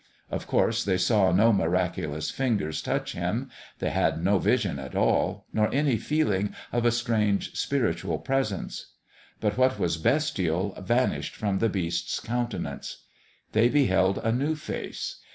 Of course they saw no miraculous fingers touch him : they had no vision at all nor any feeling of a strange spiritual Presence. But what was bestial vanished from the Beast's countenance. They beheld a new face.